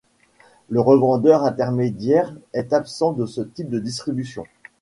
Le revendeur intermédiaire est absent de ce type de distribution.